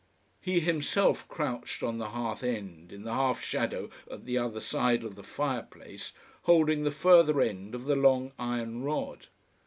He himself crouched on the hearth end, in the half shadow at the other side of the fire place, holding the further end of the long iron rod.